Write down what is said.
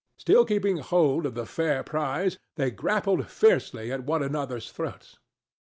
Still keeping hold of the fair prize, they grappled fiercely at one another's throats.